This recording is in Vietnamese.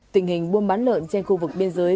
tình hình buôn bán lợn trên khu vực biên giới